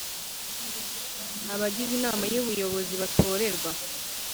abagize Inama y Ubuyobozi batorerwa